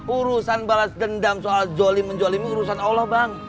urusan balas dendam soal jolim menjolimin urusan allah bang